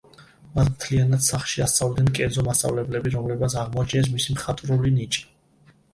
მას მთლიანად სახლში ასწავლიდნენ კერძო მასწავლებლები, რომლებმაც აღმოაჩინეს მისი მხატვრული ნიჭი.